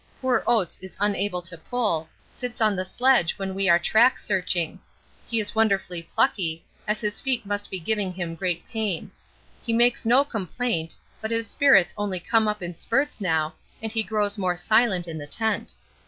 Poor Oates is unable to pull, sits on the sledge when we are track searching he is wonderfully plucky, as his feet must be giving him great pain. He makes no complaint, but his spirits only come up in spurts now, and he grows more silent in the tent.